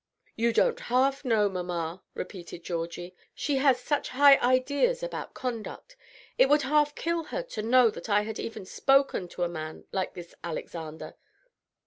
"You don't half know mamma," repeated Georgie. "She has such high ideas about conduct. It would half kill her to know that I had even spoken to a man like this Alexander."